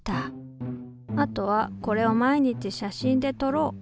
あとはこれを毎日写真でとろう。